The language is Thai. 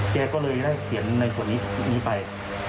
แกก็เลยได้เขียนในส่วนนี้ไป